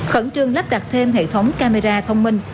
khẩn trương lắp đặt thêm hệ thống camera thông minh